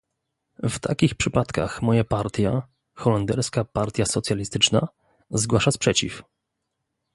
W takich przypadkach moja partia, holenderska Partia Socjalistyczna, zgłasza sprzeciw